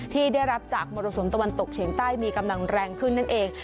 ที่ได้รับจากมรสุมตะวันตกเฉียงใต้มีกำลังแรงขึ้นนั่นเอง